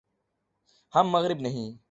ہم مغرب نہیں۔